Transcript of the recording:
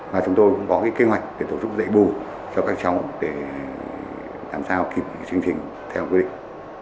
và chúng tôi cũng có kế hoạch để tổ chức dạy bù cho các cháu để làm sao kịp chương trình theo quy định